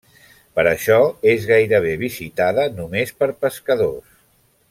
Per això és gairebé visitada només per pescadors.